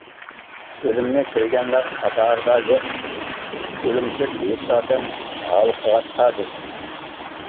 ئۆلۈمنى سۆيگەنلەر قاتارىدا يوق، ئۆلۈمتۈك ھېسلاردىن ھالقىغاچقا بىز.